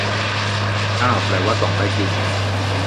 อ้าวแปลว่าส่องได้จริง